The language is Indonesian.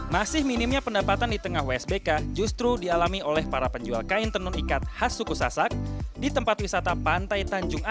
masih minimnya pendapatan di tengah wsbk justru dialami oleh para penjual kain tenun ikat khas suku sasak di tempat wisata pantai tanjung